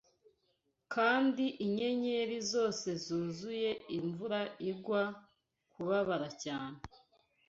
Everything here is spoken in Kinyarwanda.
Kandi inyenyeri zose zuzuye imvura igwa kubabara cyane